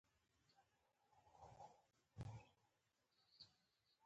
د کاندنسر پورته او ښکته کولو لپاره پیچ لري.